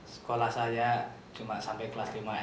sekolah saya cuma sampai kelas lima sd saja pak kades